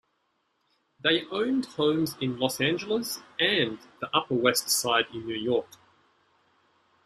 They owned homes in Los Angeles and the Upper West Side in New York.